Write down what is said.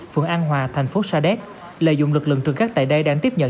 phường an hòa thành phố sa đéc lợi dụng lực lượng trường các tại đây đang tiếp nhận